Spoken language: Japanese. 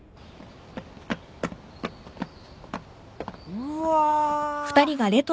うわ。